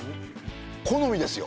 好みですよ。